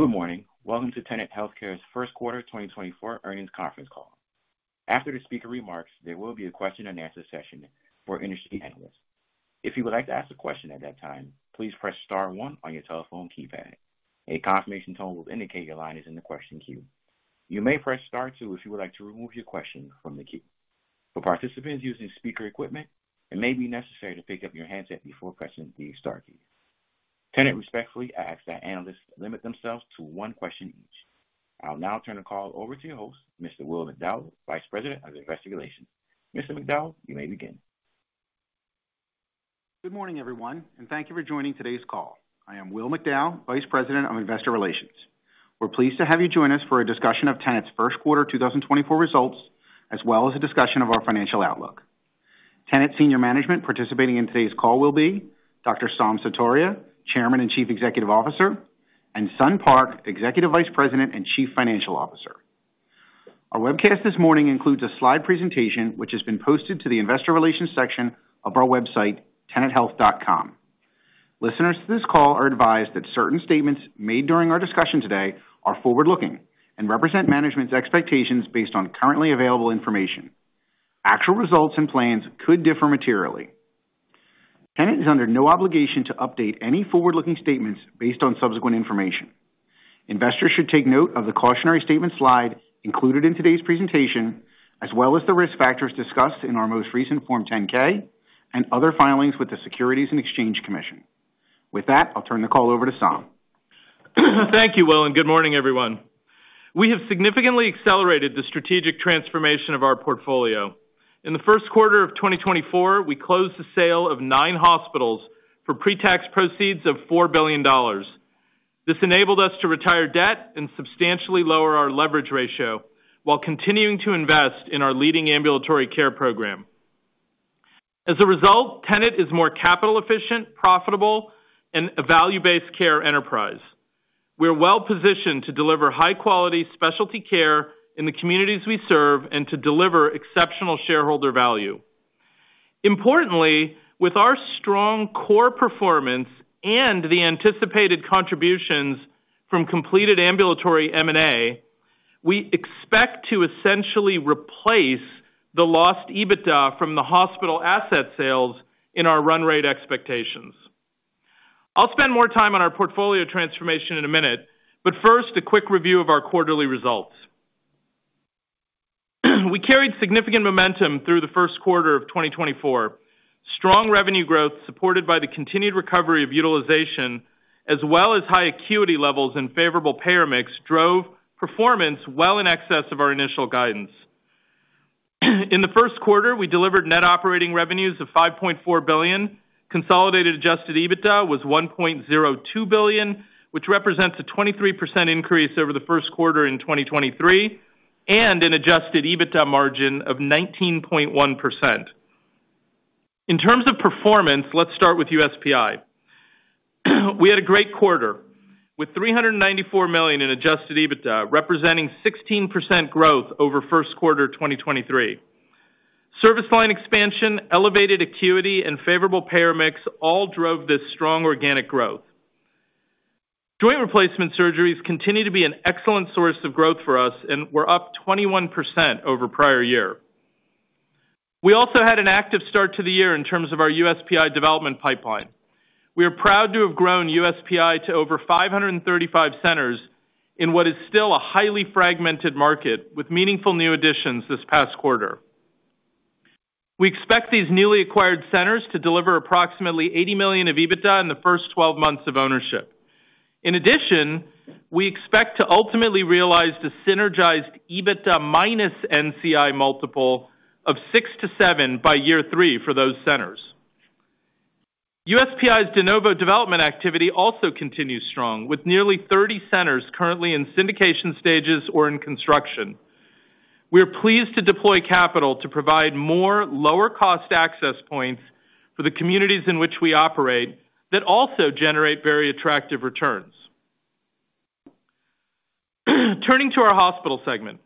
Good morning. Welcome to Tenet Healthcare's First Quarter 2024 Earnings Conference Call. After the speaker remarks, there will be a question and answer session for industry analysts. If you would like to ask a question at that time, please press star one on your telephone keypad. A confirmation tone will indicate your line is in the question queue. You may press star two if you would like to remove your question from the queue. For participants using speaker equipment, it may be necessary to pick up your handset before pressing the star key. Tenet respectfully asks that analysts limit themselves to one question each. I'll now turn the call over to your host, Mr. Will McDowell, Vice President of Investor Relations. Mr. McDowell, you may begin. Good morning, everyone, and thank you for joining today's call. I am Will McDowell, Vice President of Investor Relations. We're pleased to have you join us for a discussion of Tenet's First Quarter 2024 results, as well as a discussion of our financial outlook. Tenet senior management participating in today's call will be Dr. Saum Sutaria, Chairman and Chief Executive Officer, and Sun Park, Executive Vice President and Chief Financial Officer. Our webcast this morning includes a slide presentation, which has been posted to the investor relations section of our website, tenethealth.com. Listeners to this call are advised that certain statements made during our discussion today are forward-looking and represent management's expectations based on currently available information. Actual results and plans could differ materially. Tenet is under no obligation to update any forward-looking statements based on subsequent information. Investors should take note of the cautionary statement slide included in today's presentation, as well as the risk factors discussed in our most recent Form 10-K and other filings with the Securities and Exchange Commission. With that, I'll turn the call over to Saum. Thank you, Will, and good morning, everyone. We have significantly accelerated the strategic transformation of our portfolio. In the first quarter of 2024, we closed the sale of 9 hospitals for pre-tax proceeds of $4 billion. This enabled us to retire debt and substantially lower our leverage ratio, while continuing to invest in our leading ambulatory care program. As a result, Tenet is more capital efficient, profitable, and a value-based care enterprise. We are well-positioned to deliver high-quality specialty care in the communities we serve and to deliver exceptional shareholder value. Importantly, with our strong core performance and the anticipated contributions from completed ambulatory M&A, we expect to essentially replace the lost EBITDA from the hospital asset sales in our run rate expectations. I'll spend more time on our portfolio transformation in a minute, but first, a quick review of our quarterly results. We carried significant momentum through the first quarter of 2024. Strong revenue growth, supported by the continued recovery of utilization, as well as high acuity levels and favorable payer mix, drove performance well in excess of our initial guidance. In the first quarter, we delivered net operating revenues of $5.4 billion. Consolidated adjusted EBITDA was $1.02 billion, which represents a 23% increase over the first quarter in 2023, and an adjusted EBITDA margin of 19.1%. In terms of performance, let's start with USPI. We had a great quarter, with $394 million in adjusted EBITDA, representing 16% growth over first quarter 2023. Service line expansion, elevated acuity, and favorable payer mix all drove this strong organic growth. Joint replacement surgeries continue to be an excellent source of growth for us, and we're up 21% over prior year. We also had an active start to the year in terms of our USPI development pipeline. We are proud to have grown USPI to over 535 centers in what is still a highly fragmented market, with meaningful new additions this past quarter. We expect these newly acquired centers to deliver approximately $80 million of EBITDA in the first 12 months of ownership. In addition, we expect to ultimately realize the synergized EBITDA minus NCI multiple of six to seven by year three for those centers. USPI's de novo development activity also continues strong, with nearly 30 centers currently in syndication stages or in construction. We are pleased to deploy capital to provide more lower-cost access points for the communities in which we operate, that also generate very attractive returns. Turning to our hospital segment,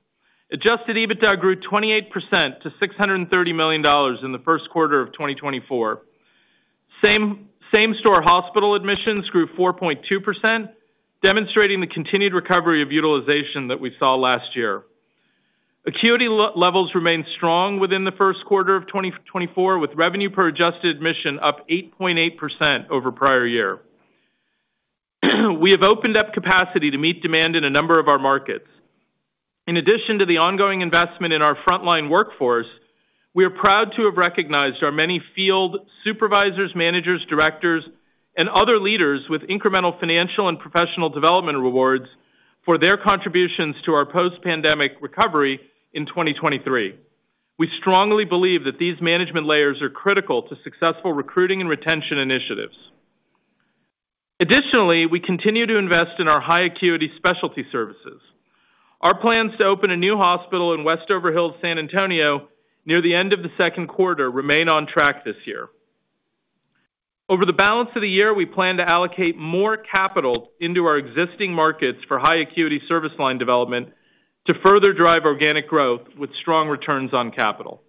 adjusted EBITDA grew 28% to $630 million in the first quarter of 2024. Same-store hospital admissions grew 4.2%, demonstrating the continued recovery of utilization that we saw last year. Acuity levels remained strong within the first quarter of 2024, with revenue per adjusted admission up 8.8% over prior year. We have opened up capacity to meet demand in a number of our markets. In addition to the ongoing investment in our frontline workforce, we are proud to have recognized our many field supervisors, managers, directors, and other leaders with incremental financial and professional development rewards for their contributions to our post-pandemic recovery in 2023. We strongly believe that these management layers are critical to successful recruiting and retention initiatives. Additionally, we continue to invest in our high acuity specialty services. Our plans to open a new hospital in Westover Hills, San Antonio, near the end of the second quarter, remain on track this year. Over the balance of the year, we plan to allocate more capital into our existing markets for high acuity service line development to further drive organic growth with strong returns on capital.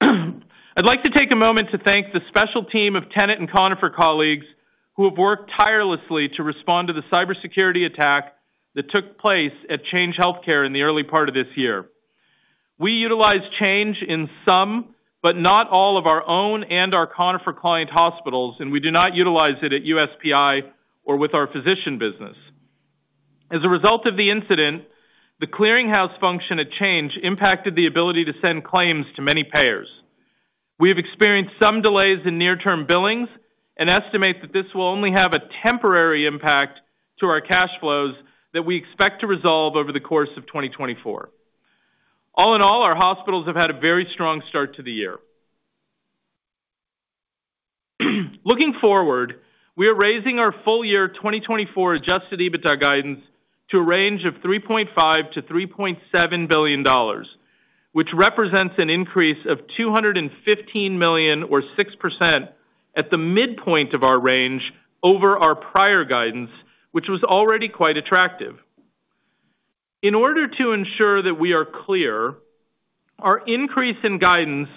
I'd like to take a moment to thank the special team of Tenet and Conifer colleagues who have worked tirelessly to respond to the cybersecurity attack that took place at Change Healthcare in the early part of this year. We utilized Change in some, but not all of our own and our Conifer client hospitals, and we do not utilize it at USPI or with our physician business. As a result of the incident, the clearinghouse function at Change Healthcare impacted the ability to send claims to many payers. We have experienced some delays in near-term billings and estimate that this will only have a temporary impact to our cash flows that we expect to resolve over the course of 2024. All in all, our hospitals have had a very strong start to the year. Looking forward, we are raising our full year 2024 adjusted EBITDA guidance to a range of $3.5 billion-$3.7 billion, which represents an increase of $215 million or 6% at the midpoint of our range over our prior guidance, which was already quite attractive. In order to ensure that we are clear, our increase in guidance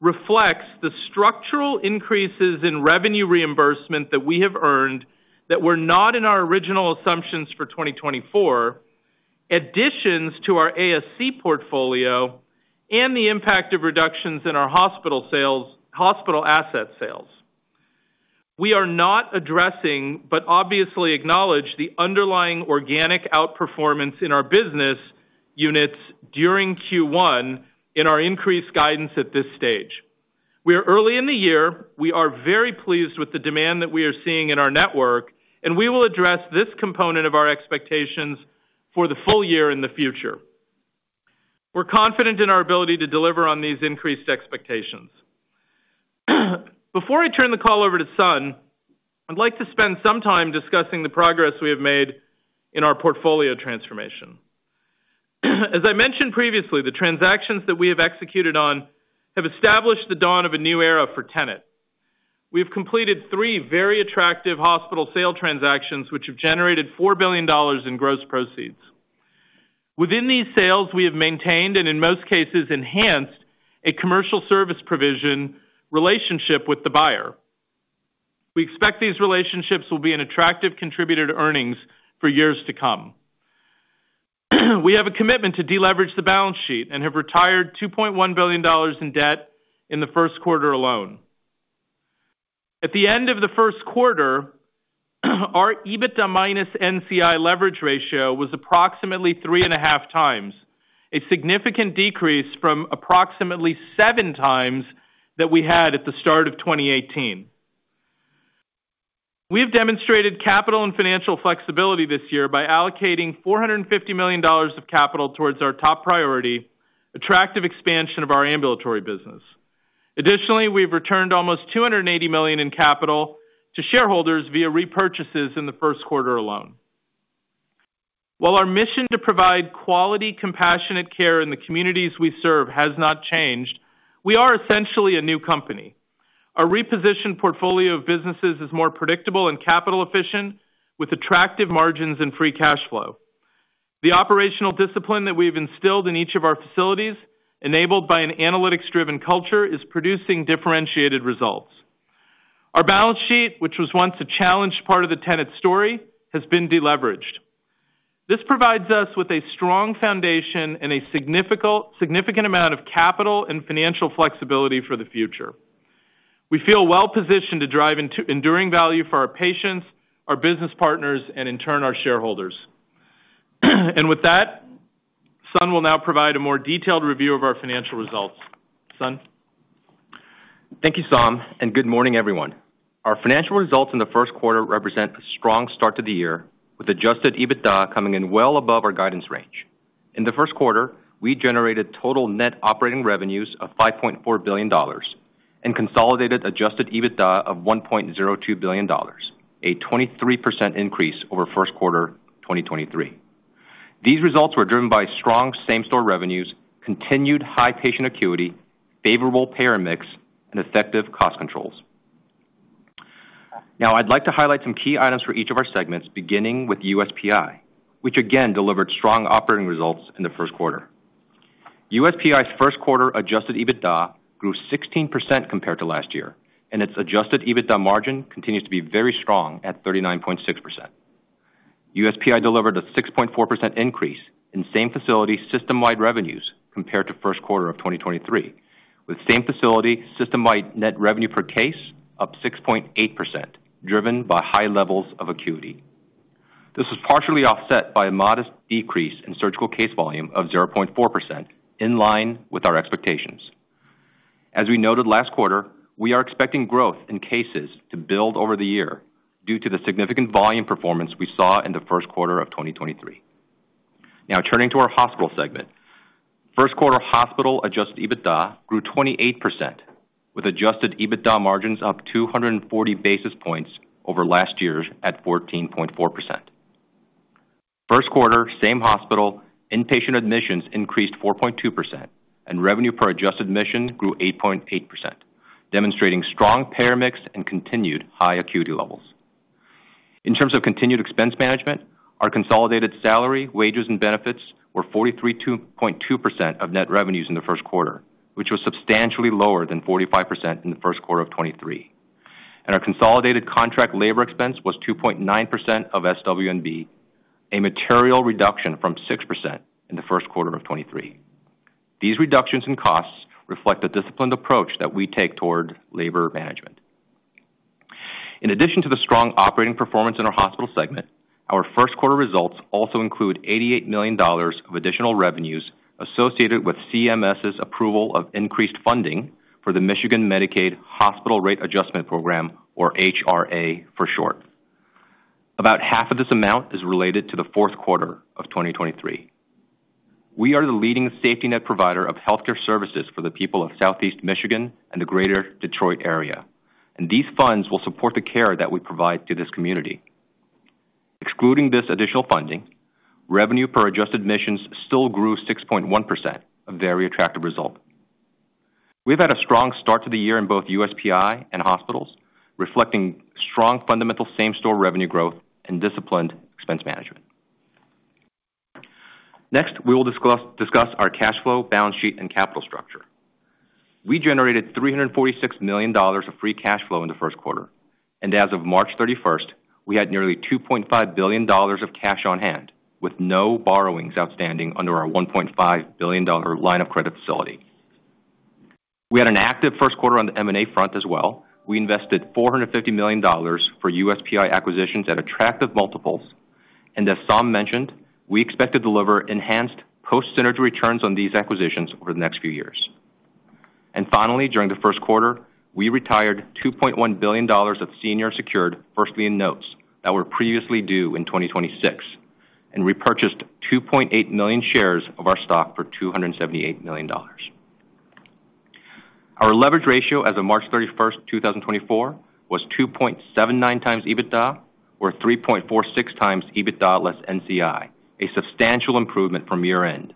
reflects the structural increases in revenue reimbursement that we have earned that were not in our original assumptions for 2024, additions to our ASC portfolio, and the impact of reductions in our hospital sales, hospital asset sales. We are not addressing, but obviously acknowledge, the underlying organic outperformance in our business units during Q1 in our increased guidance at this stage. We are early in the year. We are very pleased with the demand that we are seeing in our network, and we will address this component of our expectations for the full year in the future. We're confident in our ability to deliver on these increased expectations. Before I turn the call over to Sun, I'd like to spend some time discussing the progress we have made in our portfolio transformation. As I mentioned previously, the transactions that we have executed on have established the dawn of a new era for Tenet. We have completed three very attractive hospital sale transactions, which have generated $4 billion in gross proceeds. Within these sales, we have maintained, and in most cases, enhanced, a commercial service provision relationship with the buyer. We expect these relationships will be an attractive contributor to earnings for years to come. We have a commitment to deleverage the balance sheet and have retired $2.1 billion in debt in the first quarter alone. At the end of the first quarter, our EBITDA minus NCI leverage ratio was approximately 3.5 times, a significant decrease from approximately seven times that we had at the start of 2018. We have demonstrated capital and financial flexibility this year by allocating $450 million of capital towards our top priority, attractive expansion of our ambulatory business. Additionally, we've returned almost $280 million in capital to shareholders via repurchases in the first quarter alone. While our mission to provide quality, compassionate care in the communities we serve has not changed, we are essentially a new company. Our repositioned portfolio of businesses is more predictable and capital-efficient, with attractive margins and free cash flow. The operational discipline that we've instilled in each of our facilities, enabled by an analytics-driven culture, is producing differentiated results. Our balance sheet, which was once a challenged part of the Tenet story, has been deleveraged. This provides us with a strong foundation and a significant amount of capital and financial flexibility for the future. We feel well positioned to drive enduring value for our patients, our business partners, and in turn, our shareholders. With that, Sun will now provide a more detailed review of our financial results. Sun? Thank you, Saum, and good morning, everyone. Our financial results in the first quarter represent a strong start to the year, with Adjusted EBITDA coming in well above our guidance range. In the first quarter, we generated total net operating revenues of $5.4 billion and consolidated Adjusted EBITDA of $1.02 billion, a 23% increase over first quarter 2023. These results were driven by strong same-store revenues, continued high patient acuity, favorable payer mix, and effective cost controls. Now, I'd like to highlight some key items for each of our segments, beginning with USPI, which again delivered strong operating results in the first quarter. USPI's first quarter Adjusted EBITDA grew 16% compared to last year, and its Adjusted EBITDA margin continues to be very strong at 39.6%. USPI delivered a 6.4% increase in same-facility, system-wide revenues compared to first quarter of 2023, with same-facility, system-wide net revenue per case up 6.8%, driven by high levels of acuity. This was partially offset by a modest decrease in surgical case volume of 0.4%, in line with our expectations. As we noted last quarter, we are expecting growth in cases to build over the year due to the significant volume performance we saw in the first quarter of 2023. Now, turning to our hospital segment. First quarter hospital adjusted EBITDA grew 28%, with adjusted EBITDA margins up 240 basis points over last year's, at 14.4%. First quarter, same-hospital, inpatient admissions increased 4.2%, and revenue per adjusted admission grew 8.8%, demonstrating strong payer mix and continued high acuity levels. In terms of continued expense management, our consolidated salary, wages, and benefits were 43.2% of net revenues in the first quarter, which was substantially lower than 45% in the first quarter of 2023. Our consolidated contract labor expense was 2.9% of SWB, a material reduction from 6% in the first quarter of 2023. These reductions in costs reflect the disciplined approach that we take toward labor management. In addition to the strong operating performance in our hospital segment, our first quarter results also include $88 million of additional revenues associated with CMS's approval of increased funding for the Michigan Medicaid Hospital Rate Adjustment program, or HRA for short. About half of this amount is related to the fourth quarter of 2023. We are the leading safety net provider of healthcare services for the people of Southeast Michigan and the Greater Detroit area, and these funds will support the care that we provide to this community. Excluding this additional funding, revenue per adjusted admissions still grew 6.1%, a very attractive result. We've had a strong start to the year in both USPI and hospitals, reflecting strong fundamental same-store revenue growth and disciplined expense management. Next, we will discuss our cash flow, balance sheet, and capital structure. We generated $346 million of free cash flow in the first quarter, and as of March 31st, we had nearly $2.5 billion of cash on hand, with no borrowings outstanding under our $1.5 billion line of credit facility. We had an active first quarter on the M&A front as well. We invested $450 million for USPI acquisitions at attractive multiples, and as Saum mentioned, we expect to deliver enhanced post-synergy returns on these acquisitions over the next few years. And finally, during the first quarter, we retired $2.1 billion of senior secured first lien notes that were previously due in 2026, and repurchased 2.8 million shares of our stock for $278 million. Our leverage ratio as of March 31, 2024, was 2.79x EBITDA, or 3.46x EBITDA less NCI, a substantial improvement from year-end,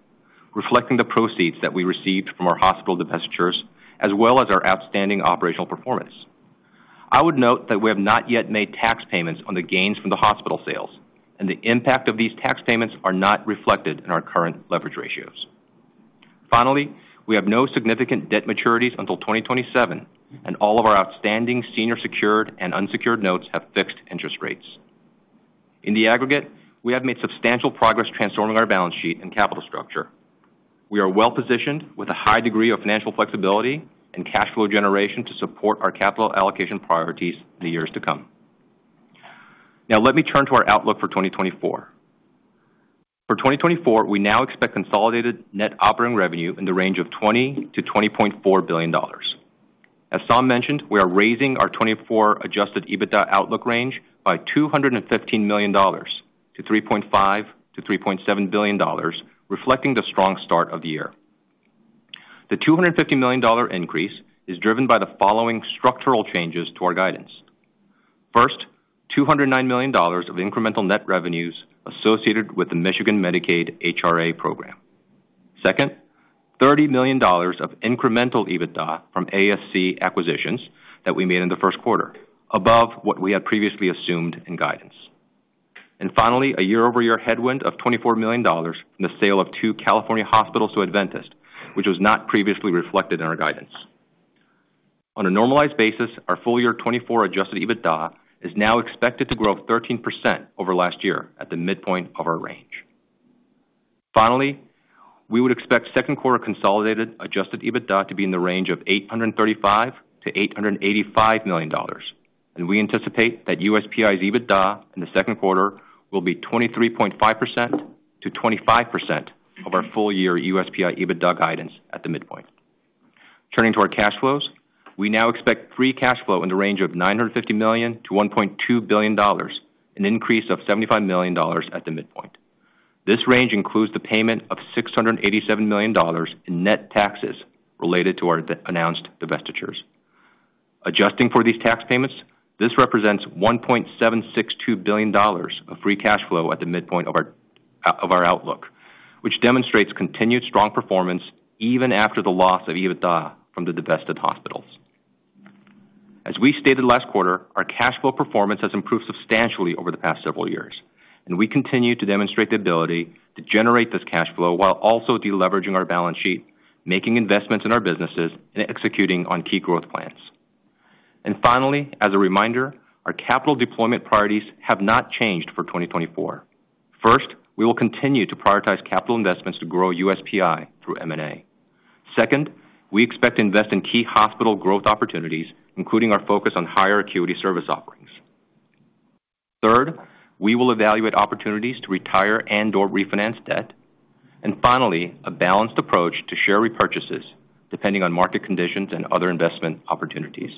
reflecting the proceeds that we received from our hospital divestitures, as well as our outstanding operational performance. I would note that we have not yet made tax payments on the gains from the hospital sales, and the impact of these tax payments are not reflected in our current leverage ratios. Finally, we have no significant debt maturities until 2027, and all of our outstanding senior secured and unsecured notes have fixed interest rates. In the aggregate, we have made substantial progress transforming our balance sheet and capital structure. We are well-positioned with a high degree of financial flexibility and cash flow generation to support our capital allocation priorities in the years to come. Now, let me turn to our outlook for 2024. For 2024, we now expect consolidated net operating revenue in the range of $20 billion-$20.4 billion. As Saum mentioned, we are raising our 2024 Adjusted EBITDA outlook range by $215 million-$3.5 billion-$3.7 billion, reflecting the strong start of the year. The $250 million-dollar increase is driven by the following structural changes to our guidance. First, $209 million of incremental net revenues associated with the Michigan Medicaid HRA program. Second, $30 million of incremental EBITDA from ASC acquisitions that we made in the first quarter, above what we had previously assumed in guidance. And finally, a year-over-year headwind of $24 million from the sale of two California hospitals to Adventist, which was not previously reflected in our guidance. On a normalized basis, our full year 2024 adjusted EBITDA is now expected to grow 13% over last year at the midpoint of our range. Finally, we would expect second quarter consolidated adjusted EBITDA to be in the range of $835 million-$885 million, and we anticipate that USPI's EBITDA in the second quarter will be 23.5%-25% of our full-year USPI EBITDA guidance at the midpoint. Turning to our cash flows, we now expect free cash flow in the range of $950 million-$1.2 billion, an increase of $75 million at the midpoint. This range includes the payment of $687 million in net taxes related to our announced divestitures. Adjusting for these tax payments, this represents $1.762 billion of free cash flow at the midpoint of our outlook, which demonstrates continued strong performance even after the loss of EBITDA from the divested hospitals. As we stated last quarter, our cash flow performance has improved substantially over the past several years, and we continue to demonstrate the ability to generate this cash flow while also deleveraging our balance sheet, making investments in our businesses, and executing on key growth plans. Finally, as a reminder, our capital deployment priorities have not changed for 2024. First, we will continue to prioritize capital investments to grow USPI through M&A. Second, we expect to invest in key hospital growth opportunities, including our focus on higher acuity service offerings. Third, we will evaluate opportunities to retire and/or refinance debt. And finally, a balanced approach to share repurchases, depending on market conditions and other investment opportunities.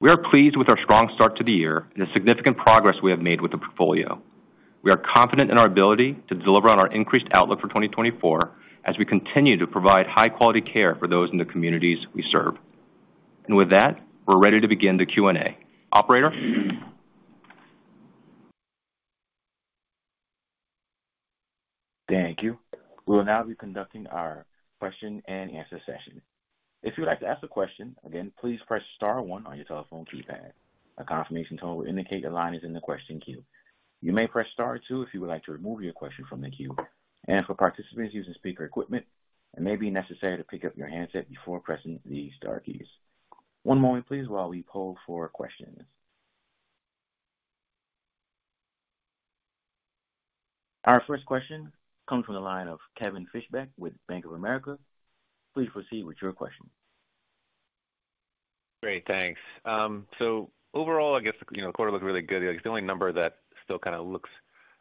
We are pleased with our strong start to the year and the significant progress we have made with the portfolio. We are confident in our ability to deliver on our increased outlook for 2024, as we continue to provide high quality care for those in the communities we serve. And with that, we're ready to begin the Q&A. Operator? Thank you. We will now be conducting our question-and-answer session. If you would like to ask a question, again, please press star one on your telephone keypad. A confirmation tone will indicate your line is in the question queue. You may press star two if you would like to remove your question from the queue. For participants using speaker equipment, it may be necessary to pick up your handset before pressing the star keys. One moment, please, while we poll for questions. Our first question comes from the line of Kevin Fischbeck with Bank of America. Please proceed with your question. Great, thanks. So overall, I guess, you know, the quarter looked really good. The only number that still kind of looks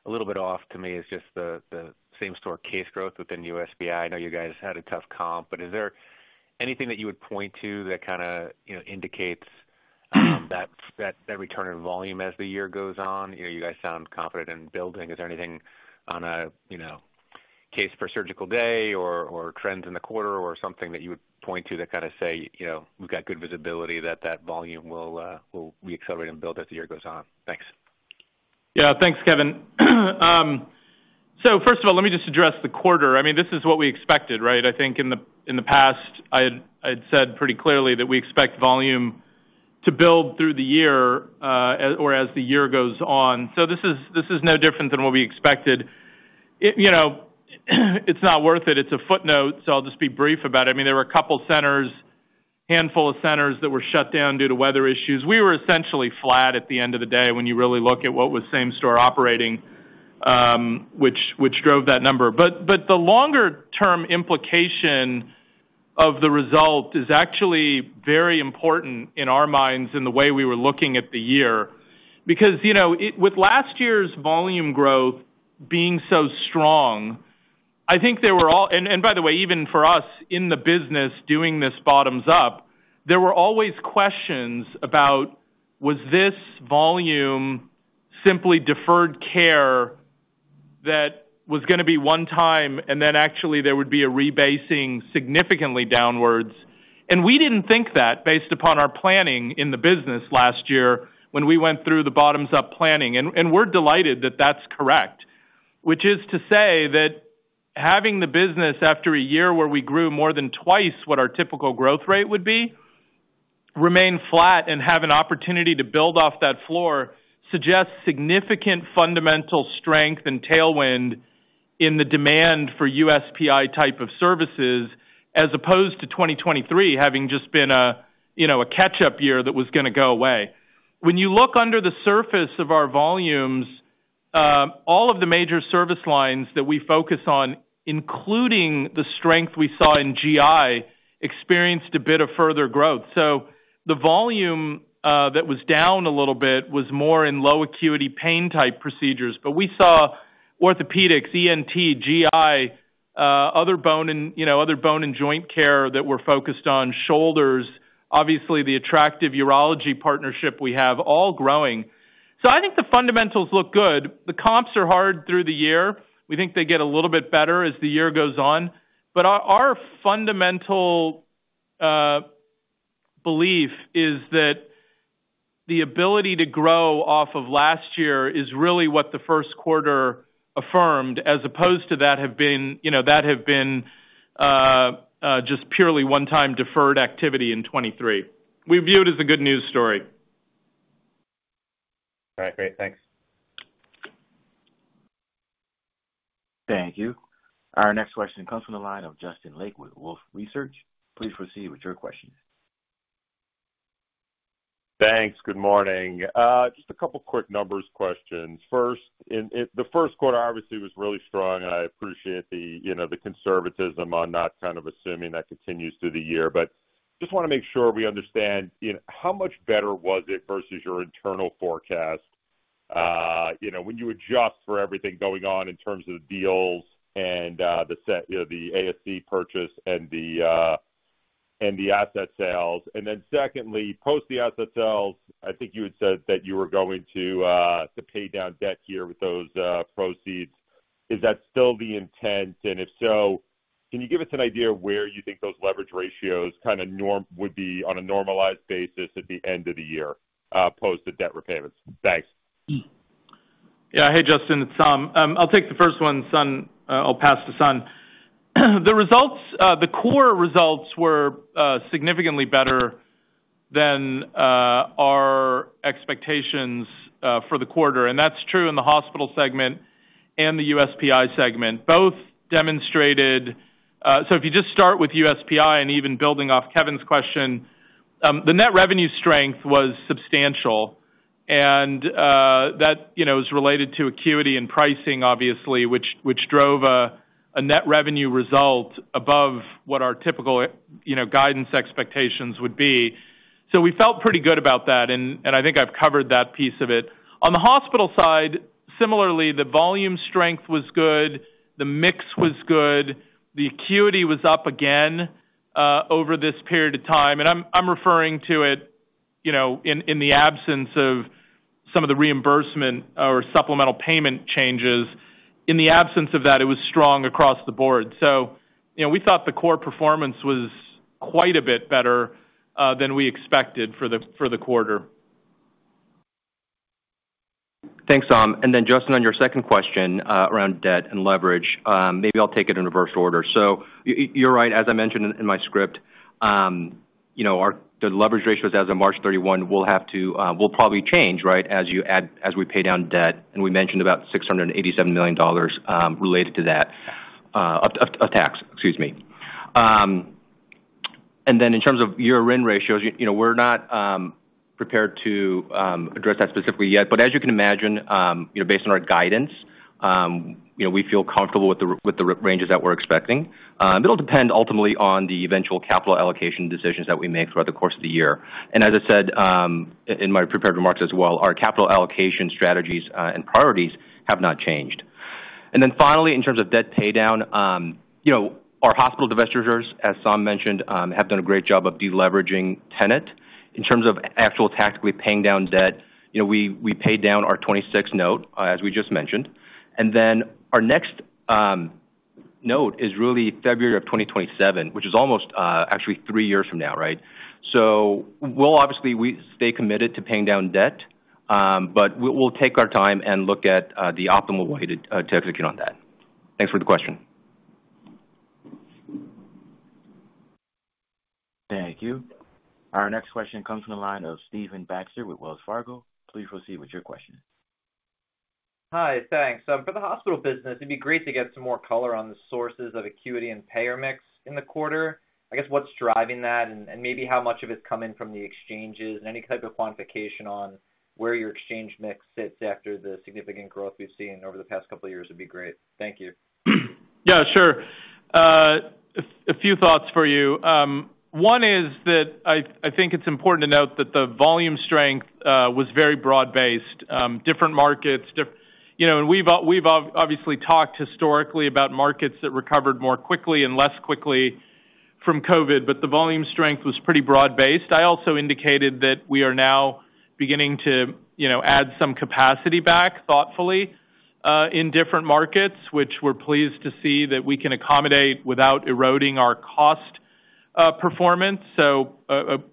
a little bit off to me is just the, the Same-Store case growth within USPI. I know you guys had a tough comp, but is there anything that you would point to that kinda, you know, indicates, that, that return of volume as the year goes on? You know, you guys sound confident in building. Is there anything on a, you know, case per surgical day or, or trends in the quarter or something that you would point to that kind of say, you know, we've got good visibility that that volume will, will re-accelerate and build as the year goes on? Thanks. Yeah, thanks, Kevin. So first of all, let me just address the quarter. I mean, this is what we expected, right? I think in the past, I had said pretty clearly that we expect volume to build through the year, as the year goes on. So this is no different than what we expected. It, you know, it's not worth it. It's a footnote, so I'll just be brief about it. I mean, there were a couple centers, handful of centers that were shut down due to weather issues. We were essentially flat at the end of the day, when you really look at what was same-store operating, which drove that number. But the longer-term implication of the result is actually very important in our minds, in the way we were looking at the year. Because, you know, it, with last year's volume growth being so strong, I think. And by the way, even for us in the business doing this bottoms-up, there were always questions about: Was this volume simply deferred care that was gonna be one time, and then actually there would be a rebasing significantly downwards? And we didn't think that, based upon our planning in the business last year when we went through the bottoms-up planning, and we're delighted that that's correct. Which is to say that having the business after a year where we grew more than twice what our typical growth rate would be, remain flat and have an opportunity to build off that floor, suggests significant fundamental strength and tailwind in the demand for USPI type of services, as opposed to 2023, having just been a, you know, a catch-up year that was gonna go away. When you look under the surface of our volumes, all of the major service lines that we focus on, including the strength we saw in GI, experienced a bit of further growth. So the volume that was down a little bit was more in low acuity, pain-type procedures. But we saw orthopedics, ENT, GI, you know, other bone and joint care that we're focused on, shoulders, obviously, the attractive urology partnership we have, all growing. So I think the fundamentals look good. The comps are hard through the year. We think they get a little bit better as the year goes on. But our fundamental belief is that the ability to grow off of last year is really what the first quarter affirmed, as opposed to that have been, you know, just purely one-time deferred activity in 2023. We view it as a good news story. All right, great. Thanks. Thank you. Our next question comes from the line of Justin Lake with Wolfe Research. Please proceed with your question. Thanks. Good morning. Just a couple quick numbers questions. First, the first quarter obviously was really strong, and I appreciate the, you know, the conservatism on not kind of assuming that continues through the year. But just wanna make sure we understand, you know, how much better was it versus your internal forecast, you know, when you adjust for everything going on in terms of deals and, you know, the ASC purchase and the asset sales? And then secondly, post the asset sales, I think you had said that you were going to pay down debt here with those proceeds. Is that still the intent? If so, can you give us an idea of where you think those leverage ratios kind of would be on a normalized basis at the end of the year, post the debt repayments? Thanks. Yeah. Hey, Justin, it's Saum. I'll take the first one. Sun, I'll pass to Sun. The results, the core results were significantly better than our expectations for the quarter, and that's true in the hospital segment and the USPI segment. Both demonstrated, so if you just start with USPI, and even building off Kevin's question, the net revenue strength was substantial, and that, you know, is related to acuity and pricing, obviously, which, which drove a net revenue result above what our typical, you know, guidance expectations would be. So we felt pretty good about that, and I think I've covered that piece of it. On the hospital side, similarly, the volume strength was good, the mix was good, the acuity was up again over this period of time. I'm referring to it, you know, in the absence of some of the reimbursement or supplemental payment changes. In the absence of that, it was strong across the board. You know, we thought the core performance was quite a bit better than we expected for the quarter. Thanks, Saum. And then Justin, on your second question, around debt and leverage, maybe I'll take it in reverse order. So you're right. As I mentioned in my script, you know, the leverage ratios as of March 31 will have to will probably change, right? As you add as we pay down debt, and we mentioned about $687 million, related to that, of tax, excuse me. And then in terms of year-end ratios, you know, we're not prepared to address that specifically yet, but as you can imagine, you know, based on our guidance, you know, we feel comfortable with the ranges that we're expecting. It'll depend ultimately on the eventual capital allocation decisions that we make throughout the course of the year. As I said, in my prepared remarks as well, our capital allocation strategies and priorities have not changed. Then finally, in terms of debt paydown, you know, our hospital divestitures, as Saum mentioned, have done a great job of deleveraging Tenet. In terms of actual tactically paying down debt, you know, we, we paid down our 2026 note, as we just mentioned, and then our next note is really February of 2027, which is almost actually three years from now, right? So we'll obviously, we stay committed to paying down debt, but we'll take our time and look at the optimal way to to execute on that. Thanks for the question. Thank you. Our next question comes from the line of Stephen Baxter with Wells Fargo. Please proceed with your question. Hi, thanks. For the hospital business, it'd be great to get some more color on the sources of acuity and payer mix in the quarter. I guess, what's driving that and, and maybe how much of it's coming from the exchanges, and any type of quantification on where your exchange mix sits after the significant growth we've seen over the past couple of years would be great. Thank you. Yeah, sure. A few thoughts for you. One is that I think it's important to note that the volume strength was very broad-based, different markets, you know, and we've obviously talked historically about markets that recovered more quickly and less quickly from COVID, but the volume strength was pretty broad-based. I also indicated that we are now beginning to, you know, add some capacity back thoughtfully in different markets, which we're pleased to see that we can accommodate without eroding our cost performance. So,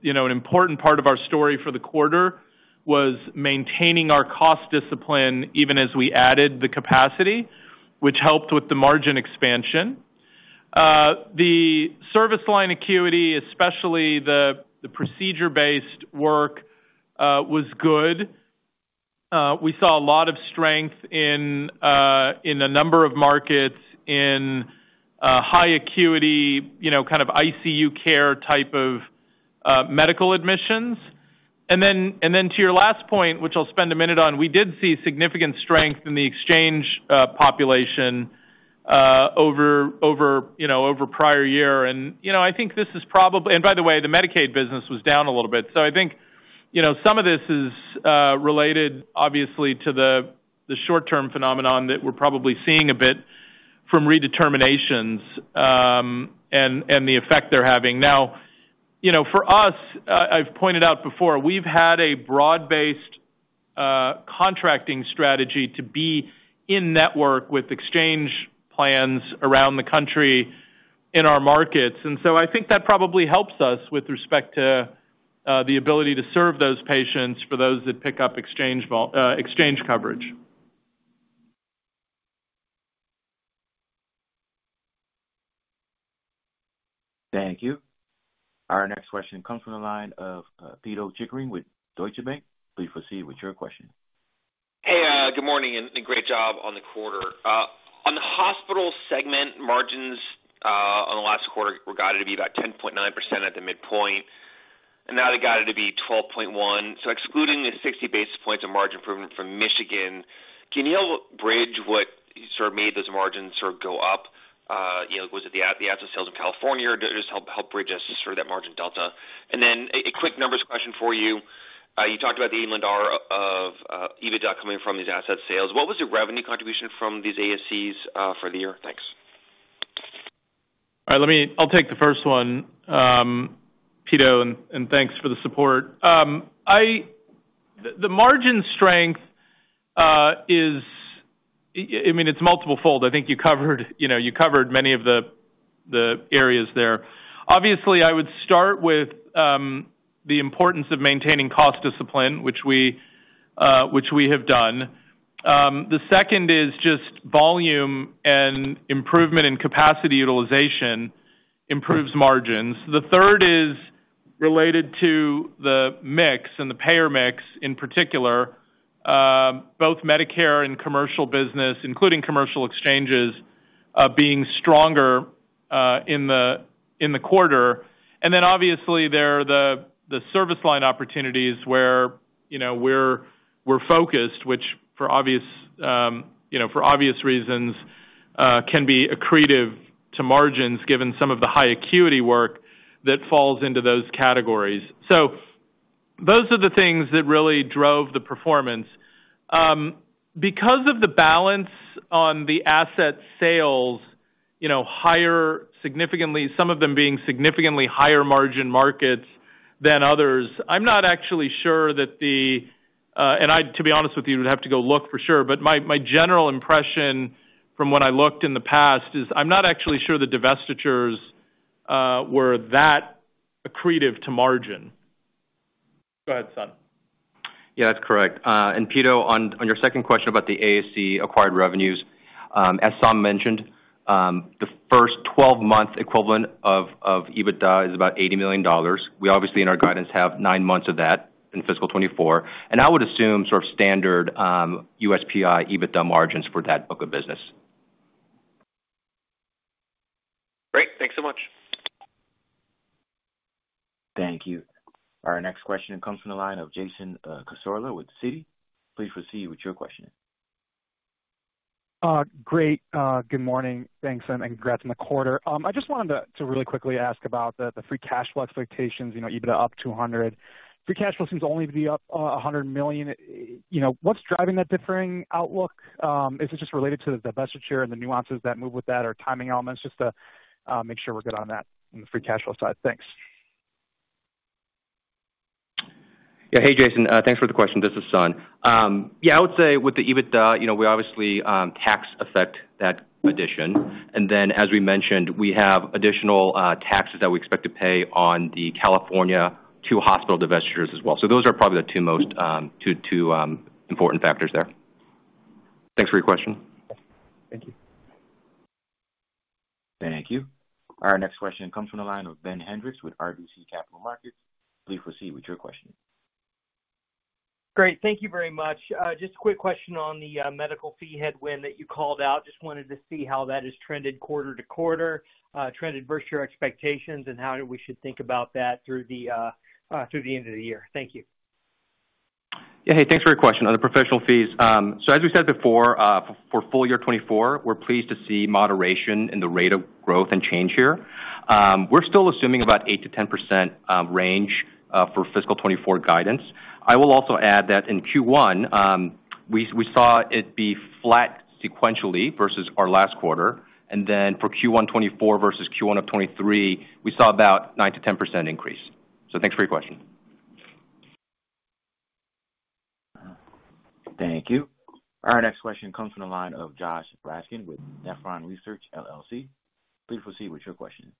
you know, an important part of our story for the quarter was maintaining our cost discipline, even as we added the capacity, which helped with the margin expansion. The service line acuity, especially the procedure-based work, was good. We saw a lot of strength in a number of markets in high acuity, you know, kind of ICU care type of medical admissions. And then to your last point, which I'll spend a minute on, we did see significant strength in the exchange population over prior year. And, you know, I think this is probably, and by the way, the Medicaid business was down a little bit. So I think, you know, some of this is related, obviously, to the short-term phenomenon that we're probably seeing a bit from redeterminations, and the effect they're having. Now, you know, for us, I've pointed out before, we've had a broad-based contracting strategy to be in network with exchange plans around the country in our markets. And so I think that probably helps us with respect to the ability to serve those patients for those that pick up exchange coverage. Thank you. Our next question comes from the line of Pito Chickering with Deutsche Bank. Please proceed with your question. Hey, good morning, and great job on the quarter. On the hospital segment, margins on the last quarter were guided to be about 10.9% at the midpoint, and now they're guided to be 12.1. So excluding the 60 basis points of margin improvement from Michigan, can you bridge what sort of made those margins sort of go up? You know, was it the asset sales in California? Just help bridge us through that margin delta. And then a quick numbers question for you. You talked about the $100 million of EBITDA coming from these asset sales. What was the revenue contribution from these ASCs for the year? Thanks. All right, let me, I'll take the first one, Pito, and thanks for the support. The margin strength is. I mean, it's multiple fold. I think you covered, you know, you covered many of the areas there. Obviously, I would start with the importance of maintaining cost discipline, which we have done. The second is just volume and improvement in capacity utilization improves margins. The third is related to the mix and the payer mix, in particular, both Medicare and commercial business, including commercial exchanges, being stronger in the quarter. And then obviously, there are the service line opportunities where, you know, we're focused, which for obvious, you know, for obvious reasons, can be accretive to margins, given some of the high acuity work that falls into those categories. So those are the things that really drove the performance. Because of the balance on the asset sales, you know, higher, significantly, some of them being significantly higher margin markets than others, I'm not actually sure that the, and I, to be honest with you, would have to go look for sure, but my general impression from what I looked in the past is, I'm not actually sure the divestitures were that-.. accretive to margin. Go ahead, Sun. Yeah, that's correct. And Pito, on your second question about the ASC acquired revenues, as Saum mentioned, the first 12 months equivalent of EBITDA is about $80 million. We obviously, in our guidance, have nine months of that in fiscal 2024, and I would assume sort of standard USPI EBITDA margins for that book of business. Great. Thanks so much. Thank you. Our next question comes from the line of Jason Cassorla with Citi. Please proceed with your question. Great. Good morning. Thanks, and congrats on the quarter. I just wanted to really quickly ask about the Free Cash Flow expectations, you know, EBITDA up $200 million. Free Cash Flow seems only to be up $100 million. You know, what's driving that differing outlook? Is it just related to the divestiture and the nuances that move with that or timing elements? Just to make sure we're good on that on the Free Cash Flow side. Thanks. Yeah. Hey, Jason, thanks for the question. This is Sun. Yeah, I would say with the EBITDA, you know, we obviously tax affect that addition. And then, as we mentioned, we have additional taxes that we expect to pay on the California two hospital divestitures as well. So those are probably the two most important factors there. Thanks for your question. Thank you. Thank you. Our next question comes from the line of Ben Hendrix with RBC Capital Markets. Please proceed with your question. Great. Thank you very much. Just a quick question on the medical fee headwind that you called out. Just wanted to see how that has trended quarter to quarter, trended versus your expectations, and how we should think about that through the through the end of the year. Thank you. Yeah. Hey, thanks for your question on the professional fees. So as we said before, for full year 2024, we're pleased to see moderation in the rate of growth and change here. We're still assuming about 8%-10% range for fiscal 2024 guidance. I will also add that in Q1, we saw it be flat sequentially versus our last quarter, and then for Q1 2024 versus Q1 of 2023, we saw about 9%-10% increase. So thanks for your question. Thank you. Our next question comes from the line of Josh Raskin with Nephron Research LLC. Please proceed with your question.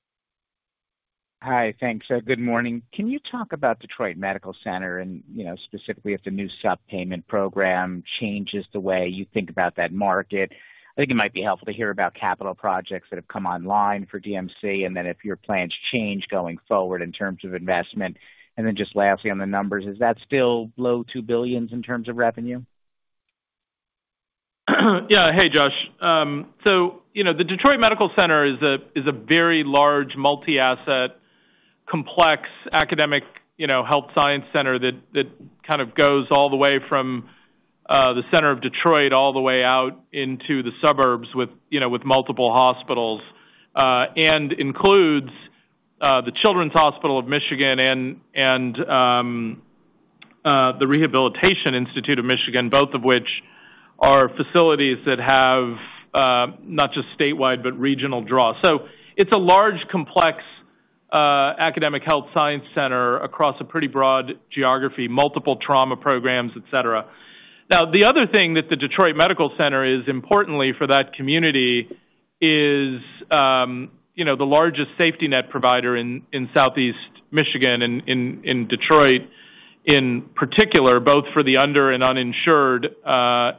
Hi. Thanks. Good morning. Can you talk about Detroit Medical Center and, you know, specifically if the new SDP payment program changes the way you think about that market? I think it might be helpful to hear about capital projects that have come online for DMC, and then if your plans change going forward in terms of investment. And then just lastly, on the numbers, is that still low $2 billion in terms of revenue? Yeah. Hey, Josh. So, you know, the Detroit Medical Center is a very large, multi-asset, complex, academic, you know, health science center that kind of goes all the way from the center of Detroit all the way out into the suburbs with, you know, with multiple hospitals and includes the Children's Hospital of Michigan and the Rehabilitation Institute of Michigan, both of which are facilities that have not just statewide, but regional draw. So it's a large, complex academic health science center across a pretty broad geography, multiple trauma programs, et cetera. Now, the other thing that the Detroit Medical Center is, importantly for that community, is, you know, the largest safety net provider in Southeast Michigan, in Detroit, in particular, both for the under and uninsured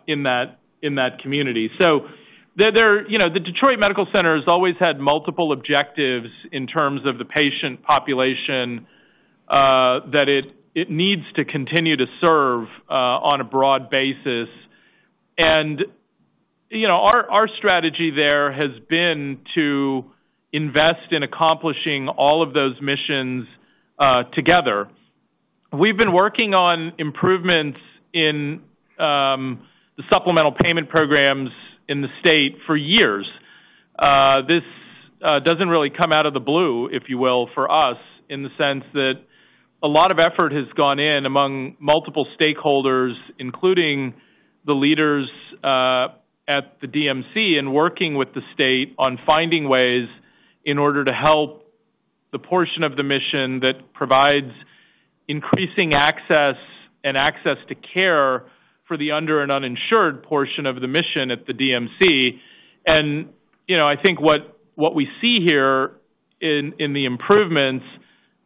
in that community. So you know, the Detroit Medical Center has always had multiple objectives in terms of the patient population that it needs to continue to serve on a broad basis. You know, our strategy there has been to invest in accomplishing all of those missions together. We've been working on improvements in the supplemental payment programs in the state for years. This doesn't really come out of the blue, if you will, for us, in the sense that a lot of effort has gone in among multiple stakeholders, including the leaders at the DMC, in working with the state on finding ways in order to help the portion of the mission that provides increasing access and access to care for the under and uninsured portion of the mission at the DMC. You know, I think what we see here in the improvements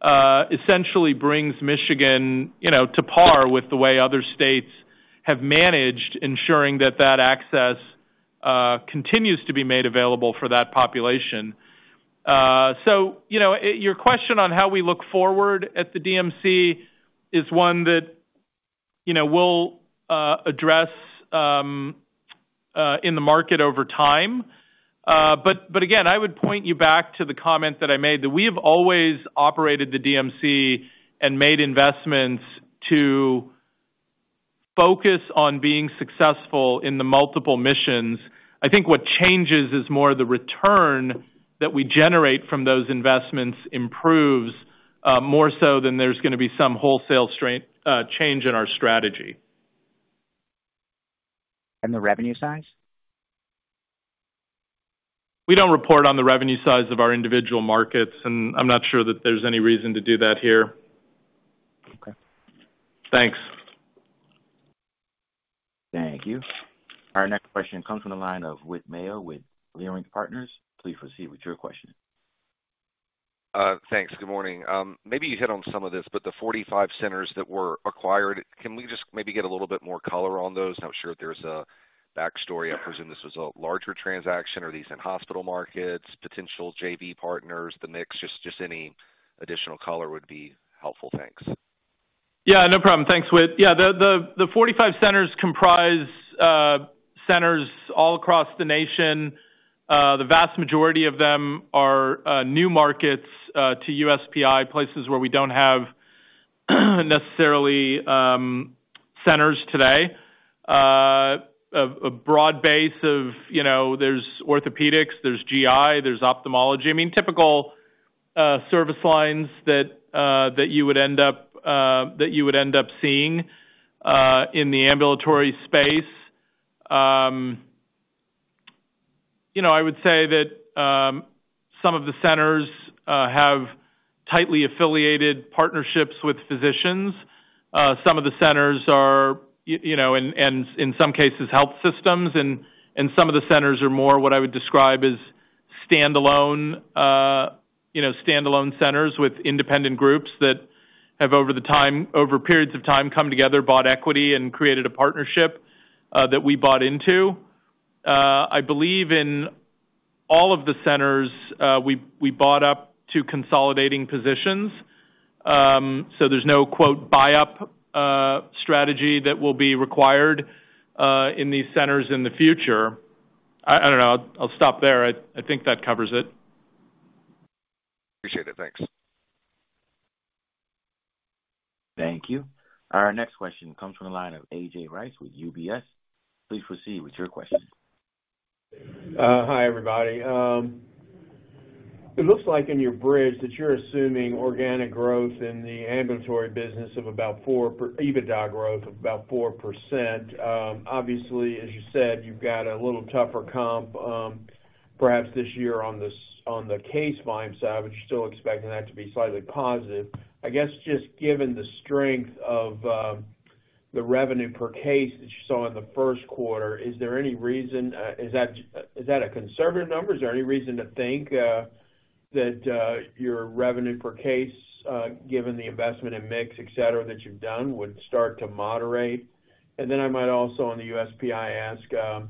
essentially brings Michigan, you know, to par with the way other states have managed, ensuring that that access continues to be made available for that population. So, you know, your question on how we look forward at the DMC is one that, you know, we'll address in the market over time. But again, I would point you back to the comment that I made, that we have always operated the DMC and made investments to focus on being successful in the multiple missions. I think what changes is more the return that we generate from those investments improves, more so than there's gonna be some wholesale change in our strategy. The revenue size? We don't report on the revenue size of our individual markets, and I'm not sure that there's any reason to do that here. Okay. Thanks. Thank you. Our next question comes from the line of Whit Mayo with Leerink Partners. Please proceed with your question. Thanks. Good morning. Maybe you hit on some of this, but the 45 centers that were acquired, can we just maybe get a little bit more color on those? I'm sure there's a backstory. I presume this was a larger transaction. Are these in hospital markets, potential JV partners, the mix? Just, just any additional color would be helpful. Thanks. Yeah, no problem. Thanks, Whit. Yeah, the 45 centers comprise centers all across the nation. The vast majority of them are new markets to USPI, places where we don't have necessarily centers today. A broad base of, you know, there's orthopedics, there's GI, there's ophthalmology. I mean, typical service lines that you would end up seeing in the ambulatory space. You know, I would say that some of the centers have tightly affiliated partnerships with physicians. Some of the centers are, you know, and in some cases, health systems, and some of the centers are more what I would describe as standalone, you know, standalone centers with independent groups that have, over periods of time, come together, bought equity and created a partnership that we bought into. I believe in all of the centers, we bought up to consolidating positions. So there's no "buy-up" strategy that will be required in these centers in the future. I don't know. I'll stop there. I think that covers it. Appreciate it. Thanks. Thank you. Our next question comes from the line of A.J. Rice with UBS. Please proceed with your question. Hi, everybody. It looks like in your bridge that you're assuming organic growth in the ambulatory business of about 4% per EBITDA growth of about 4%. Obviously, as you said, you've got a little tougher comp, perhaps this year on this, on the case volume side, but you're still expecting that to be slightly positive. I guess, just given the strength of, the revenue per case that you saw in the first quarter, is there any reason... Is that, is that a conservative number? Is there any reason to think, that, your revenue per case, given the investment in mix, et cetera, that you've done, would start to moderate? I might also on the USPI ask,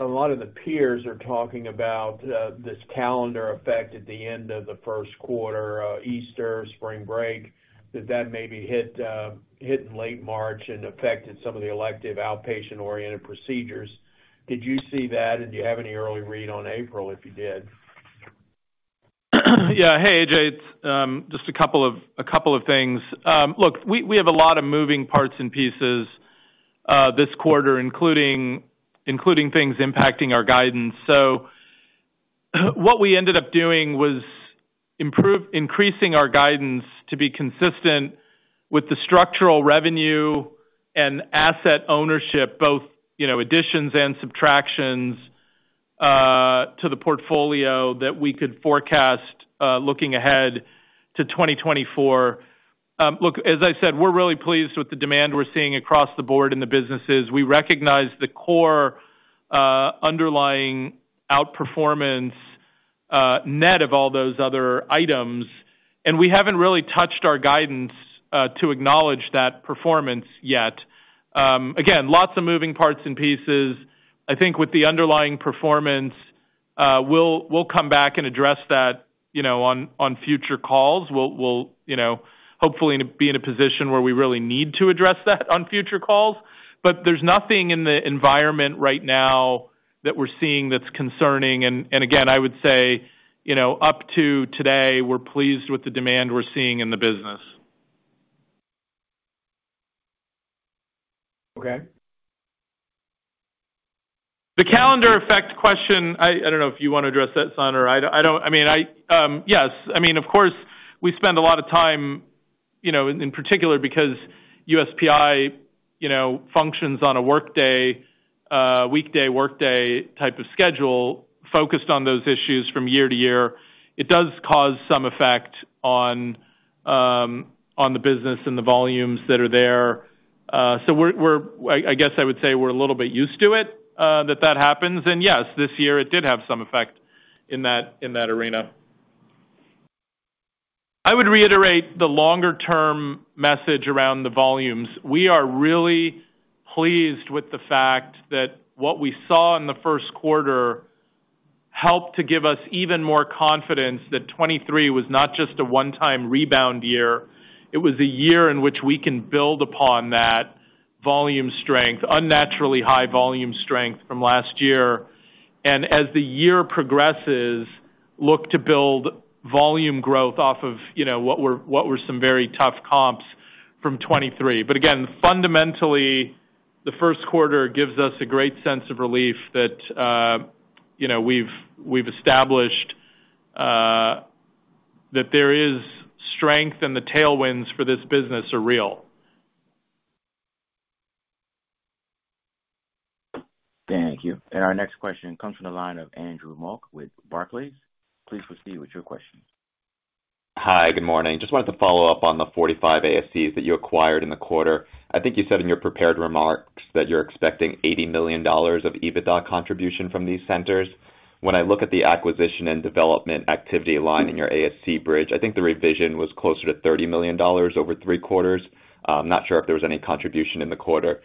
a lot of the peers are talking about this calendar effect at the end of the first quarter, Easter, spring break, that maybe hit in late March and affected some of the elective outpatient-oriented procedures. Did you see that? Do you have any early read on April, if you did? Yeah. Hey, A.J., just a couple of things. Look, we have a lot of moving parts and pieces this quarter, including things impacting our guidance. So what we ended up doing was increasing our guidance to be consistent with the structural revenue and asset ownership, both, you know, additions and subtractions to the portfolio that we could forecast looking ahead to 2024. Look, as I said, we're really pleased with the demand we're seeing across the board in the businesses. We recognize the core underlying outperformance net of all those other items, and we haven't really touched our guidance to acknowledge that performance yet. Again, lots of moving parts and pieces. I think with the underlying performance, we'll come back and address that, you know, on future calls. Well, well, you know, hopefully we'll be in a position where we really need to address that on future calls. But there's nothing in the environment right now that we're seeing that's concerning. And again, I would say, you know, up to today, we're pleased with the demand we're seeing in the business. Okay. The calendar effect question, I don't know if you want to address that, Sun, or I don't. I mean, yes, I mean, of course, we spend a lot of time, you know, in particular, because USPI, you know, functions on a workday, weekday, workday type of schedule, focused on those issues from year to year. It does cause some effect on the business and the volumes that are there. So we're a little bit used to it, that that happens. And yes, this year it did have some effect in that arena. I would reiterate the longer-term message around the volumes. We are really pleased with the fact that what we saw in the first quarter helped to give us even more confidence that 2023 was not just a one-time rebound year, it was a year in which we can build upon that volume strength, unnaturally high volume strength from last year. And as the year progresses, look to build volume growth off of, you know, what were some very tough comps from 2023. But again, fundamentally, the first quarter gives us a great sense of relief that, you know, we've established that there is strength and the tailwinds for this business are real. Thank you. Our next question comes from the line of Andrew Mok with Barclays. Please proceed with your question. Hi, good morning. Just wanted to follow up on the 45 ASCs that you acquired in the quarter. I think you said in your prepared remarks that you're expecting $80 million of EBITDA contribution from these centers. When I look at the acquisition and development activity line in your ASC bridge, I think the revision was closer to $30 million over three quarters. I'm not sure if there was any contribution in the quarter.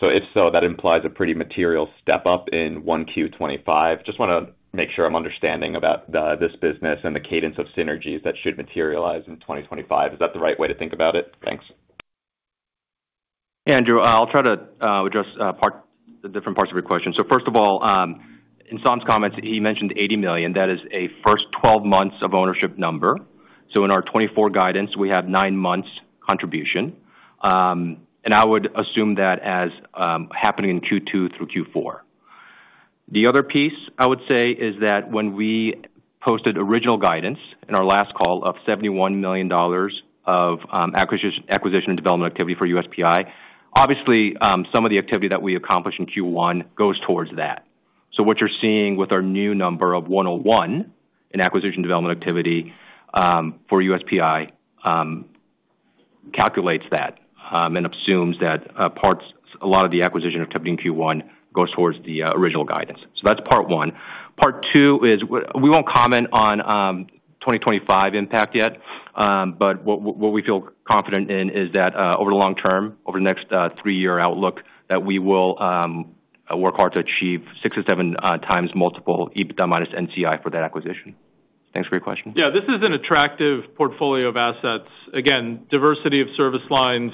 So if so, that implies a pretty material step up in 1Q25. Just wanna make sure I'm understanding about the, this business and the cadence of synergies that should materialize in 2025. Is that the right way to think about it? Thanks. Andrew, I'll try to address the different parts of your question. So first of all, in Som's comments, he mentioned $80 million. That is a first 12 months of ownership number. So in our 2024 guidance, we have nine months contribution, and I would assume that as happening in Q2 through Q4. The other piece I would say, is that when we posted original guidance in our last call of $71 million of acquisition and development activity for USPI, obviously, some of the activity that we accomplished in Q1 goes towards that. So what you're seeing with our new number of 101 in acquisition development activity for USPI calculates that, and assumes that A lot of the acquisition activity in Q1 goes towards the original guidance. So that's part one. Part two is, we won't comment on 2025 impact yet, but what we feel confident in is that, over the long term, over the next three-year outlook, that we will work hard to achieve six or seven times multiple EBITDA minus NCI for that acquisition. Thanks for your question. Yeah, this is an attractive portfolio of assets. Again, diversity of service lines,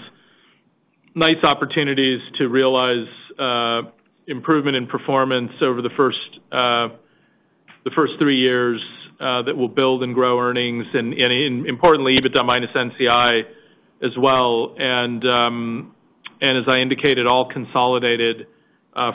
nice opportunities to realize improvement in performance over the first three years that will build and grow earnings and importantly, EBITDA minus NCI as well. And as I indicated, all consolidated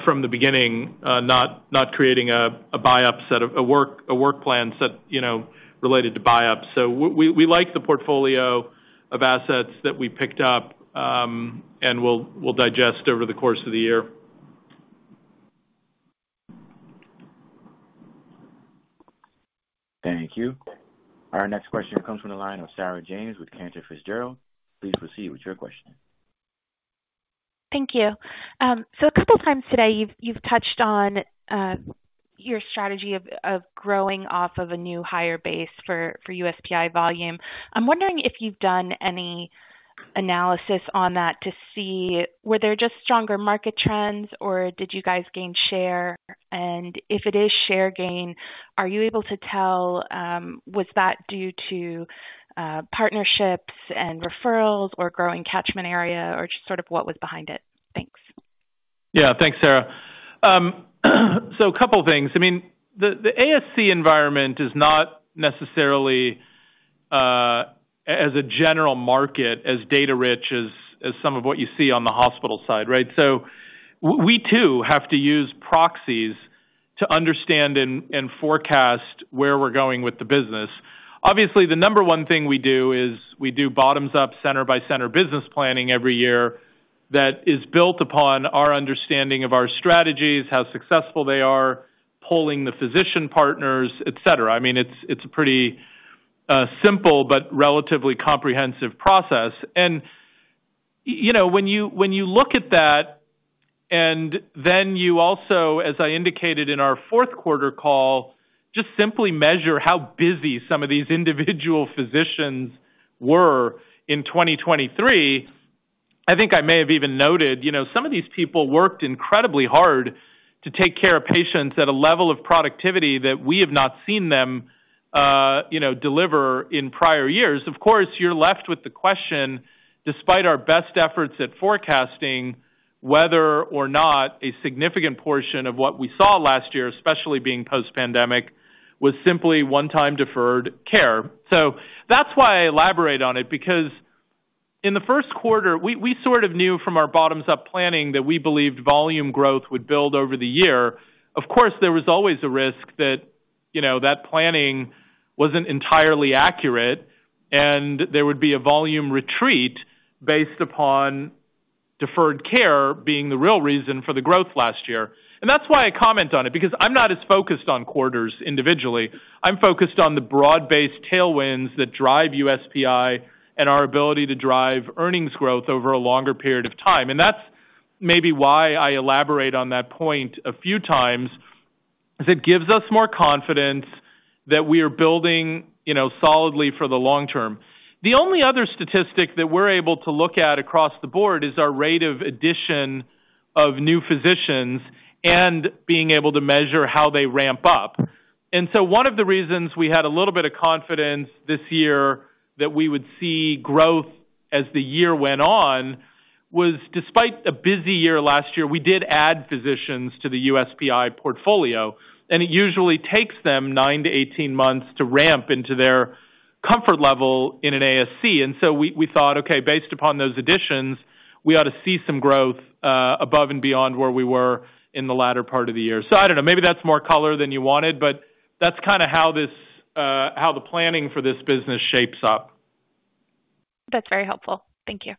from the beginning, not creating a buy-up set of a work plan set, you know, related to buy-ups. So we like the portfolio of assets that we picked up, and we'll digest over the course of the year. Thank you. Our next question comes from the line of Sarah James with Cantor Fitzgerald. Please proceed with your question. Thank you. So a couple of times today, you've touched on your strategy of growing off of a new higher base for USPI volume. I'm wondering if you've done any analysis on that to see, were there just stronger market trends, or did you guys gain share? And if it is share gain, are you able to tell was that due to partnerships and referrals or growing catchment area, or just sort of what was behind it? Thanks. Yeah, thanks, Sarah. So a couple of things. I mean, the, the ASC environment is not necessarily, as a general market, as data-rich as some of what you see on the hospital side, right? So we too have to use proxies to understand and forecast where we're going with the business. Obviously, the number one thing we do is we do bottoms up, center by center business planning every year, that is built upon our understanding of our strategies, how successful they are, pulling the physician partners, et cetera. I mean, it's a pretty simple but relatively comprehensive process. And you know, when you look at that, and then you also, as I indicated in our fourth quarter call, just simply measure how busy some of these individual physicians were in 2023. I think I may have even noted, you know, some of these people worked incredibly hard to take care of patients at a level of productivity that we have not seen them, you know, deliver in prior years. Of course, you're left with the question, despite our best efforts at forecasting, whether or not a significant portion of what we saw last year, especially being post-pandemic, was simply one-time deferred care. So that's why I elaborate on it, because in the first quarter, we, we sort of knew from our bottoms-up planning that we believed volume growth would build over the year. Of course, there was always a risk that, you know, that planning wasn't entirely accurate, and there would be a volume retreat based upon deferred care being the real reason for the growth last year. And that's why I comment on it, because I'm not as focused on quarters individually. I'm focused on the broad-based tailwinds that drive USPI and our ability to drive earnings growth over a longer period of time. And that's maybe why I elaborate on that point a few times, is it gives us more confidence that we are building, you know, solidly for the long term. The only other statistic that we're able to look at across the board, is our rate of addition of new physicians and being able to measure how they ramp up. And so one of the reasons we had a little bit of confidence this year that we would see growth as the year went on, was despite a busy year last year, we did add physicians to the USPI portfolio, and it usually takes them nine to 18 months to ramp into their comfort level in an ASC. And so we, we thought, okay, based upon those additions, we ought to see some growth, above and beyond where we were in the latter part of the year. So I don't know, maybe that's more color than you wanted, but that's kinda how this, how the planning for this business shapes up. That's very helpful. Thank you.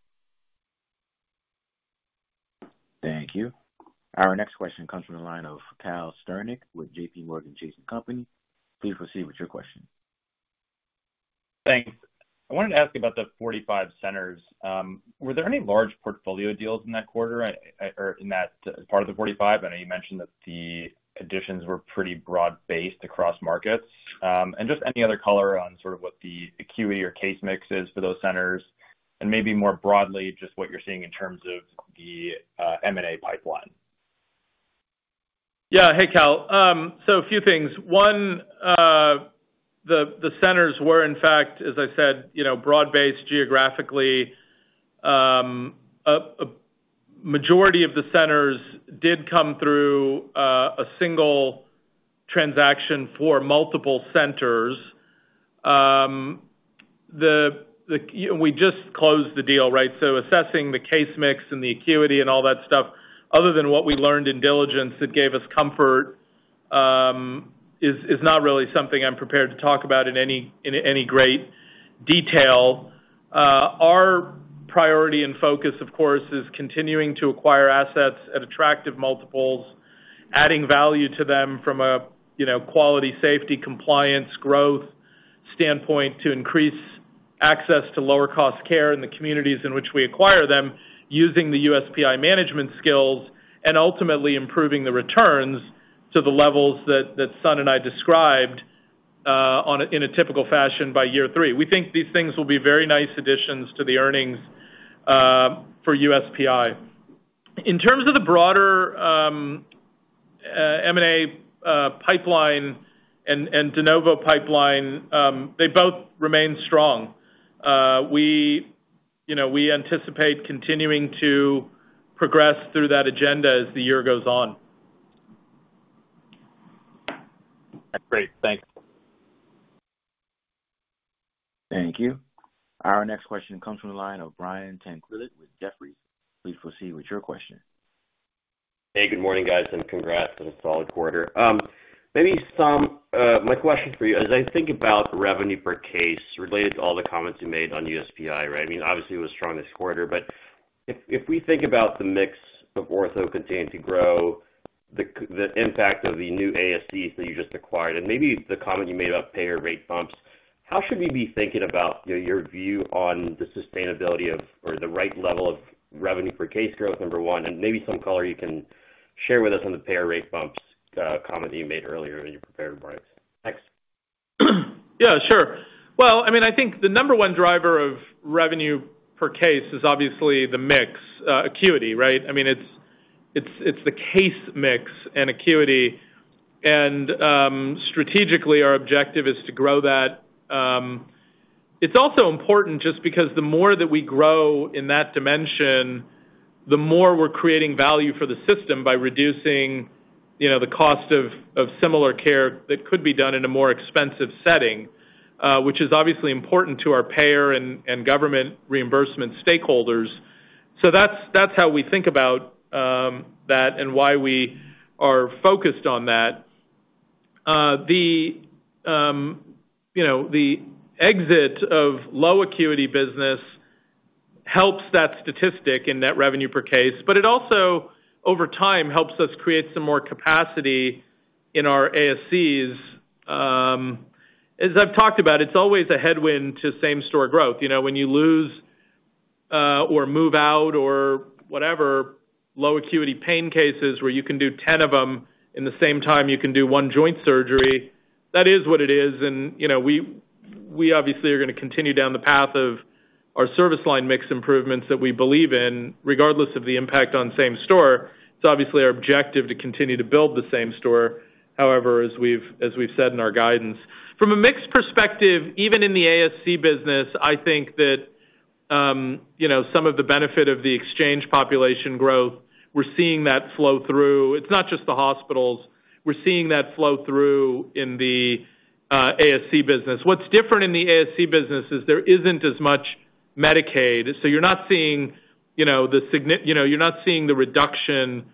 Thank you. Our next question comes from the line of Cal Sternick with JPMorgan Chase & Co. Please proceed with your question. Thanks. I wanted to ask you about the 45 centers. Were there any large portfolio deals in that quarter, or in that part of the 45? I know you mentioned that the additions were pretty broad-based across markets. And just any other color on sort of what the acuity or case mix is for those centers, and maybe more broadly, just what you're seeing in terms of the, M&A pipeline? Yeah. Hey, Cal. So a few things. One, the centers were, in fact, as I said, you know, broad-based geographically. A majority of the centers did come through a single transaction for multiple centers. We just closed the deal, right? So assessing the case mix and the acuity and all that stuff, other than what we learned in diligence that gave us comfort, is not really something I'm prepared to talk about in any great detail. Our priority and focus, of course, is continuing to acquire assets at attractive multiples, adding value to them from a, you know, quality, safety, compliance, growth standpoint, to increase access to lower cost care in the communities in which we acquire them, using the USPI management skills, and ultimately improving the returns to the levels that Sun and I described, in a typical fashion by year three. We think these things will be very nice additions to the earnings, for USPI. In terms of the broader, M&A, and de novo pipeline, they both remain strong. We, you know, we anticipate continuing to progress through that agenda as the year goes on. That's great. Thanks. Thank you. Our next question comes from the line of Brian Tanquilut with Jefferies. Please proceed with your question. Hey, good morning, guys, and congrats on a solid quarter. Maybe my question for you, as I think about revenue per case related to all the comments you made on USPI, right? I mean, obviously, it was the strongest quarter, but if we think about the mix of ortho continuing to grow, the impact of the new ASCs that you just acquired, and maybe the comment you made about payer rate bumps, how should we be thinking about, you know, your view on the sustainability of, or the right level of revenue per case growth, number one, and maybe some color you can share with us on the payer rate bumps comment that you made earlier in your prepared remarks? Thanks. Yeah, sure. Well, I mean, I think the number one driver of revenue per case is obviously the mix, acuity, right? I mean, it's the case mix and acuity, and strategically, our objective is to grow that. It's also important just because the more that we grow in that dimension, the more we're creating value for the system by reducing, you know, the cost of similar care that could be done in a more expensive setting, which is obviously important to our payer and government reimbursement stakeholders. So that's how we think about that and why we are focused on that. The, you know, the exit of low acuity business helps that statistic in net revenue per case, but it also, over time, helps us create some more capacity in our ASCs. As I've talked about, it's always a headwind to same-store growth. You know, when you lose or move out or whatever, low acuity pain cases, where you can do 10 of them in the same time you can do one joint surgery, that is what it is. And, you know, we obviously are gonna continue down the path of our service line mix improvements that we believe in, regardless of the impact on same-store. It's obviously our objective to continue to build the same-store, however, as we've said in our guidance. From a mix perspective, even in the ASC business, I think that, you know, some of the benefit of the exchange population growth, we're seeing that flow through. It's not just the hospitals. We're seeing that flow through in the ASC business. What's different in the ASC business is there isn't as much Medicaid, so you're not seeing, you know, the significant reduction,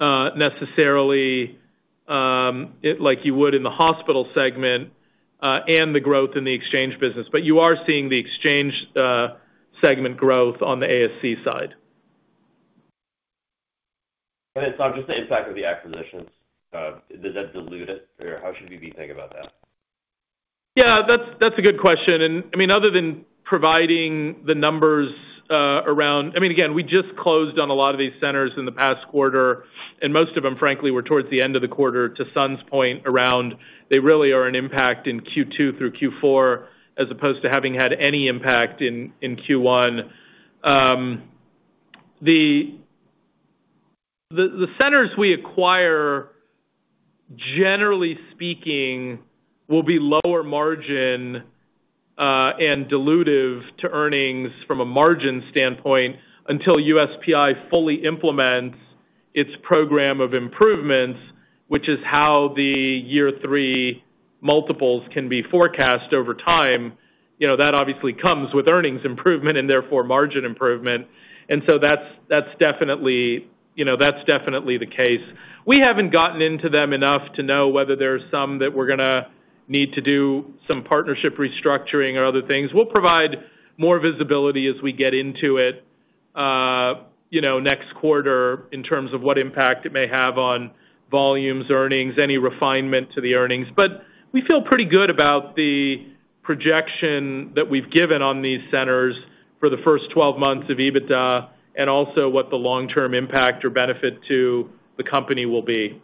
necessarily, like you would in the hospital segment, and the growth in the exchange business, but you are seeing the exchange segment growth on the ASC side. Just the impact of the acquisitions, does that dilute it, or how should we be thinking about that? Yeah, that's a good question. And I mean, other than providing the numbers around I mean, again, we just closed on a lot of these centers in the past quarter, and most of them, frankly, were towards the end of the quarter, to Sun's point, and they really are an impact in Q2 through Q4, as opposed to having had any impact in Q1. The centers we acquire, generally speaking, will be lower margin and dilutive to earnings from a margin standpoint, until USPI fully implements its program of improvements, which is how the year three multiples can be forecast over time. You know, that obviously comes with earnings improvement and therefore, margin improvement. And so that's definitely the case. We haven't gotten into them enough to know whether there are some that we're gonna-... Need to do some partnership restructuring or other things. We'll provide more visibility as we get into it, you know, next quarter in terms of what impact it may have on volumes, earnings, any refinement to the earnings. But we feel pretty good about the projection that we've given on these centers for the first 12 months of EBITDA and also what the long-term impact or benefit to the company will be.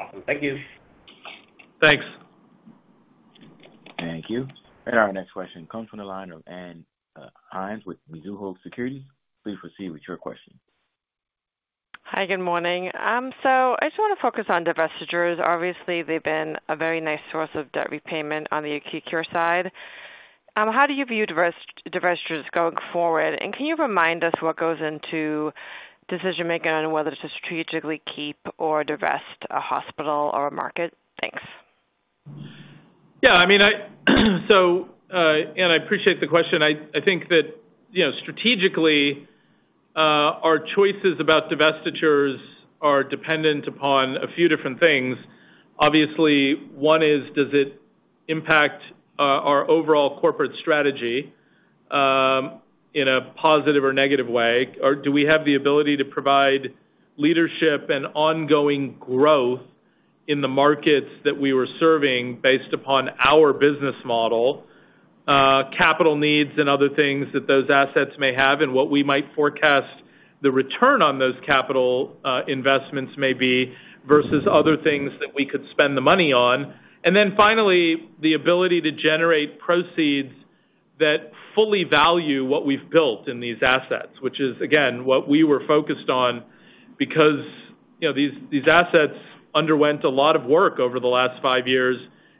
Awesome. Thank you. Thanks. Thank you. And our next question comes from the line of Ann Hynes, with Mizuho Securities. Please proceed with your question. Hi, good morning. So I just wanna focus on divestitures. Obviously, they've been a very nice source of debt repayment on the acute care side. How do you view divestitures going forward? And can you remind us what goes into decision-making on whether to strategically keep or divest a hospital or a market? Thanks. Yeah, I mean, so, Ann, I appreciate the question. I think that, you know, strategically, our choices about divestitures are dependent upon a few different things. Obviously, one is, does it impact our overall corporate strategy in a positive or negative way? Or do we have the ability to provide leadership and ongoing growth in the markets that we were serving based upon our business model, capital needs and other things that those assets may have, and what we might forecast the return on those capital investments may be versus other things that we could spend the money on. And then finally, the ability to generate proceeds that fully value what we've built in these assets, which is, again, what we were focused on, because, you know, these assets underwent a lot of work over the last five years,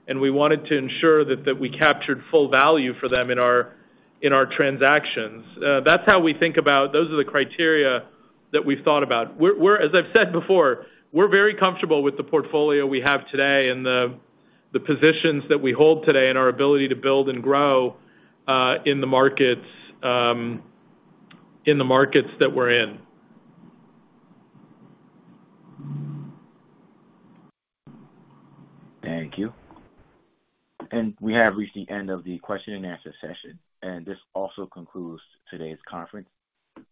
and we wanted to ensure that we captured full value for them in our transactions. That's how we think about. Those are the criteria that we've thought about. As I've said before, we're very comfortable with the portfolio we have today and the positions that we hold today and our ability to build and grow in the markets that we're in. Thank you. We have reached the end of the question and answer session, and this also concludes today's conference.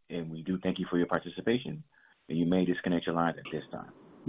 We do thank you for your participation, and you may disconnect your lines at this time.